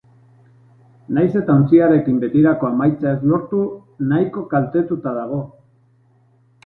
Nahiz eta ontziarekin betirako amaitzea ez lortu, nahiko kaltetuta dago.